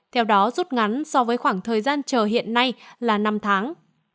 theo đó rút ngắn so với khoảng thời gian chờ hiện nay là năm tháng